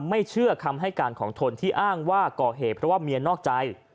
ไม่เชื่อคำให้การของทนที่อ้างว่าก่อเหตุเพราะว่าเมียนอกใจ